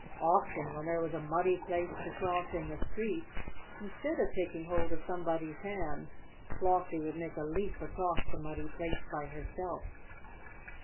Often when there was a muddy place to cross in the street, instead of taking hold of somebody's hand Flossie would make a leap across the muddy place by herself.